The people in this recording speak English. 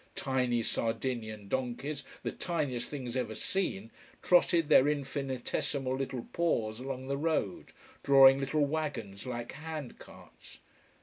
Tiny Sardinian donkeys, the tiniest things ever seen, trotted their infinitesimal little paws along the road, drawing little wagons like handcarts.